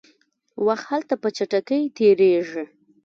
وخت هلته په چټکۍ تیریږي.